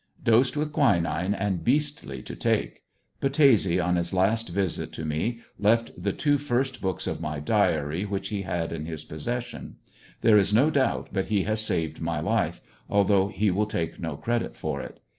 Dosed with quinine and beastly to take, Battese on his last visit to me left the two first books of my diary which he had in his pos session. There is no doubt but he has saved my life, although he will take no credit for it.